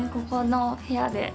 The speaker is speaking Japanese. ここの部屋で。